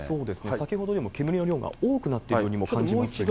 先ほどよりも煙の量が多くなっているようにも感じますが。